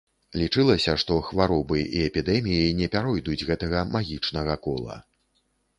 Лічылася, што хваробы і эпідэміі не пяройдуць гэтага магічнага кола.